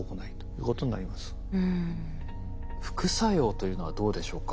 副作用というのはどうでしょうか？